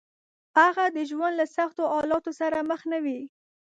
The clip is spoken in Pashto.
هغه د ژوند له سختو حالاتو سره مخ نه وي.